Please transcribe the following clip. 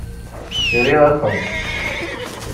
Sriɣ-akent.